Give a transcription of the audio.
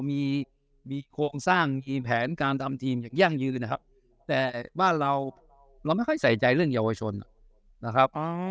มีโครงสร้างมีแผนการทำทีมอย่างยั่งยืนนะครับแต่บ้านเราเราไม่ค่อยใส่ใจเรื่องเยาวชนนะครับ